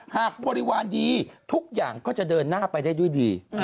บริวารดีทุกอย่างก็จะเดินหน้าไปได้ด้วยดี